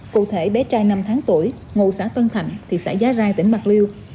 cụ thể bé trai năm tháng tuổi ngô xã tân thạnh thị xã giá rai tp bạc liêu